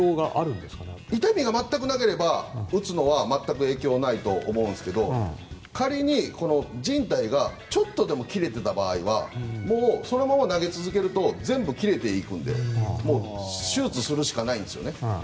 痛みが全くなければ打つのは全く影響ないと思うんですけど仮に、じん帯がちょっとでも切れていた場合はそのまま投げ続けると全部切れていくのでもう手術するしかないんですよね。